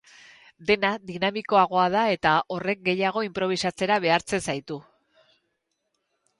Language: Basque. Dena dinamikoagoa da eta horrek gehiago inprobisatzera behartzen zaitu.